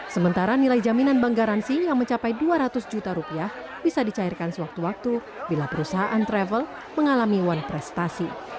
sementara nilai jaminan bank garansi yang mencapai dua ratus juta rupiah bisa dicairkan sewaktu waktu bila perusahaan travel mengalami wan prestasi